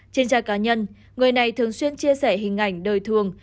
trên trang cá nhân người này thường xuyên chia sẻ hình ảnh đời thường